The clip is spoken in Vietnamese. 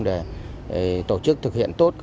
để tổ chức thực hiện tốt